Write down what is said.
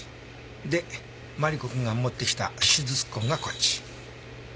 でマリコ君が持ってきた手術痕がこっち。